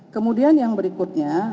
kemudian yang berikutnya